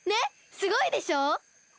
すごいでしょ？